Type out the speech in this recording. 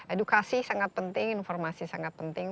edukasi sangat penting informasi sangat penting